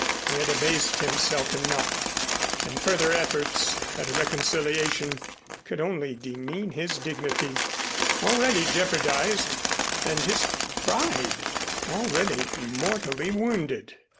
He had abased himself enough and further efforts at a reconciliation could only demean his dignity, already jeopardized, and his pride, already mortally wounded.